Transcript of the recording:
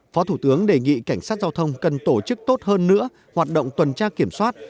phó thủ tướng đề nghị cảnh sát giao thông cần tổ chức tốt hơn nữa hoạt động tuần tra kiểm soát